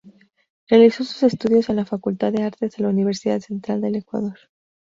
Realizó sus estudios en la Facultad de Artes de la Universidad Central del Ecuador.